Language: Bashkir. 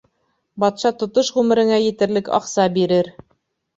Батша тотош ғүмереңә етерлек аҡса бирер.